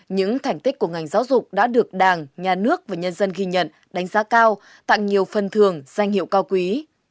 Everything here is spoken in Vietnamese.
những thành tích của ngành giáo dục đã được đảng nhà nước và nhân dân ghi nhận đánh giá cao tặng nhiều phần thường danh hiệu cao quý